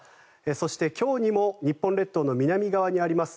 そして、今日にも日本列島の南側にあります